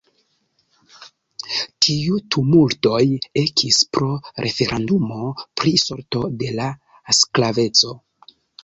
Tiu tumultoj ekis pro referendumo pri sorto de la sklaveco.